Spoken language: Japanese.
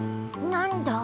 なんだ？